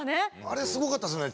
あれすごかったっすね。